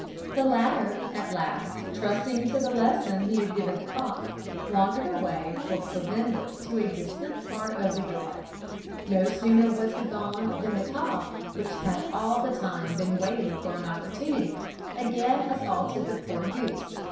The latter at last, trusting to the lesson he had given the cock, wandered away for provender to a distant part of the yard. No sooner was he gone than the cock, which had all the time been waiting for an opportunity, again assaulted the poor goose.